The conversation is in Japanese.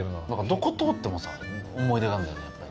どこ通ってもさ、思い出があるんだよね。